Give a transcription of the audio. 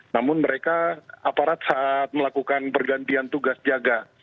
namun mereka aparat saat melakukan pergantian tugas jaga